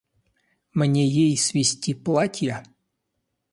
Мне ей свезти платья.